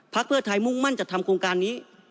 เพื่อไทยมุ่งมั่นจัดทำโครงการนี้